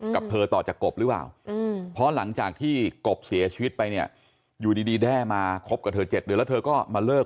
กับเธอต่อจากกบหรือเปล่าเพราะหลังจากที่กบเสียชีวิตไปเนี่ยอยู่ดีแด้มาคบกับเธอ๗เดือนแล้วเธอก็มาเลิก